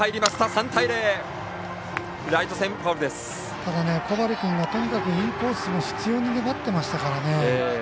ただ、小針君はとにかくインコースを執ように粘っていましたからね。